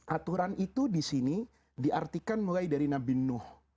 aturan itu disini diartikan mulai dari nabi nuh